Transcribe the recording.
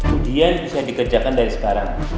ujian bisa dikerjakan dari sekarang